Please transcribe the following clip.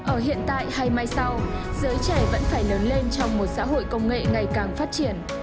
ở hiện tại hay mai sau giới trẻ vẫn phải lớn lên trong một xã hội công nghệ ngày càng phát triển